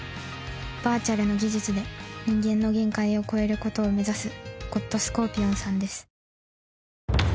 バーチャルの技術で人間の限界を超える事を目指すゴッドスコーピオンさんです。